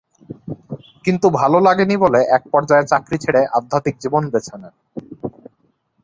কিন্তু ভালো লাগেনি বলে একপর্যায়ে চাকরি ছেড়ে আধ্যাত্মিক জীবন বেছে নেন।